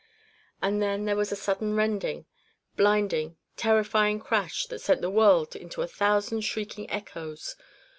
And then there was a sudden rending, blinding, terrifying crash that sent the world into a thousand shrieking echoes.